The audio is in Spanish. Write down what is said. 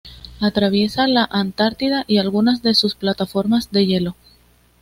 Atraviesa la Antártida y algunas de sus plataformas de hielo.